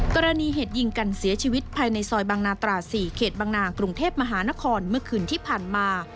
กรณีเหตุยิงกันเสียชีวิตภายในซอยบางนาตรา๔เขตบังนากรุงเทพมหานครเมื่อคืนที่ผ่านมา